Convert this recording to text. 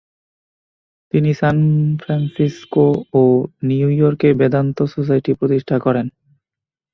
তিনি সানফ্রান্সিসকো ও নিউইয়র্কে বেদান্ত সোসাইটি প্রতিষ্ঠা করেন।